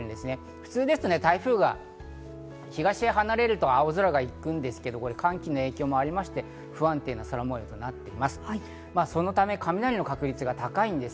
普通だと台風が東へ離れると青空が行くんですが、寒気の影響もあって不安定な空模様となっています。